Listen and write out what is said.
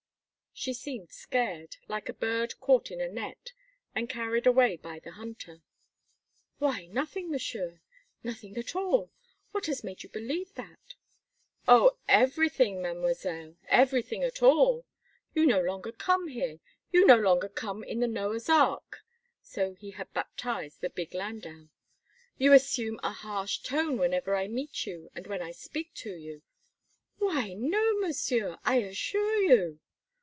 She seemed scared, like a bird caught in a net, and carried away by the hunter. "Why, nothing, Monsieur, nothing at all! What has made you believe that?" "Oh! everything, Mademoiselle, everything at all! You no longer come here you no longer come in the Noah's Ark [so he had baptized the big landau]. You assume a harsh tone whenever I meet you and when I speak to you." "Why, no, Monsieur, I assure you!"